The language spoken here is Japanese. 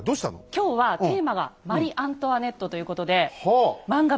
今日はテーマが「マリ・アントワネット」ということで漫画